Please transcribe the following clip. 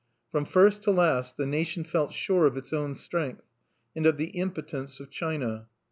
From first to last the nation felt sure of its own strength, and of the impotence of China.